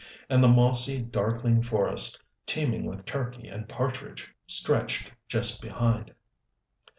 And the mossy, darkling forest, teeming with turkey and partridge, stretched just behind.